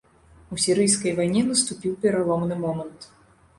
У сірыйскай вайне наступіў пераломны момант.